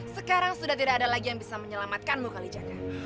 sekarang sudah tidak ada lagi yang bisa menyelamatkanmu kalijaga